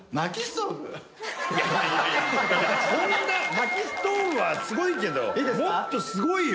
薪ストーブはすごいけどもっとすごいよ！